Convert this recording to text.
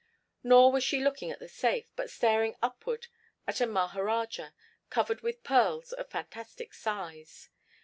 Nor was she looking at the safe, but staring upward at a maharajah, covered with pearls of fantastic size.